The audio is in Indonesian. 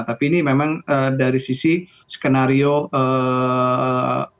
tapi ini memang dari sisi skenario terbaiknya ya